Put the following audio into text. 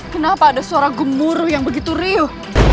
kenapa ada suara gemuruh yang begitu riuh